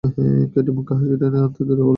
Katie মুখে হাসি টেনে আনতে দেরি করলে না।